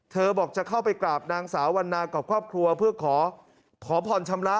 บอกจะเข้าไปกราบนางสาววันนากับครอบครัวเพื่อขอผ่อนชำระ